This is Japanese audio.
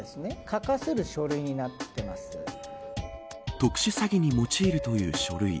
特殊詐欺に用いるという書類。